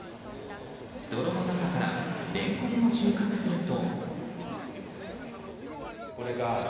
泥の中からレンコンを収穫すると。